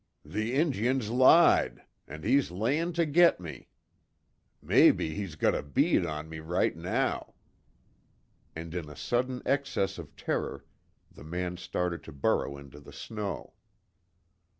The Injuns lied! An' he's layin' to git me. Mebbe he's got a bead on me right now!" and in a sudden excess of terror, the man started to burrow into the snow.